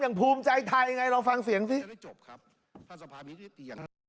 อย่างภูมิใจไทยไงเราฟังเสียงสิ